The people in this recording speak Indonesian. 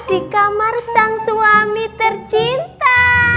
di kamar sang suami tercinta